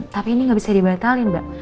tapi ini nggak bisa dibatalin mbak